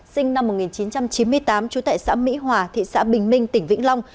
sinh năm một nghìn chín trăm chín mươi tám trú tại xã mỹ hòa thị xã bình minh tỉnh vĩnh long